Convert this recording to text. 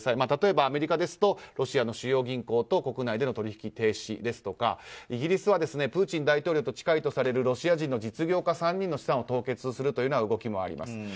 例えばアメリカですとロシアの主要銀行と国内での取り引き停止ですとかイギリスはプーチン大統領と近いとされるロシア人の実業家の３人の資産を凍結するという動きもあります。